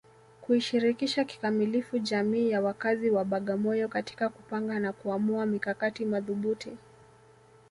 kuishirikisha kikamilifu jamii ya wakazi wa Bagamoyo katika kupanga na kuamua mikakati madhubuti